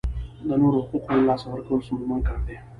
د نورو حقوقو لاسه ورکول ستونزمن کار دی.